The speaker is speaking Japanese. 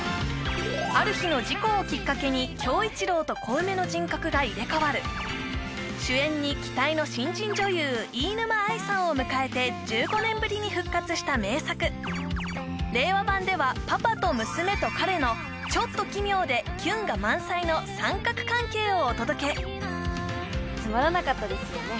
ある日の事故をきっかけに恭一郎と小梅の人格が入れ替わる主演に期待の新人女優飯沼愛さんを迎えて１５年ぶりに復活した名作令和版ではパパとムスメとカレのちょっと奇妙でキュンが満載の三角関係をお届けつまらなかったですよね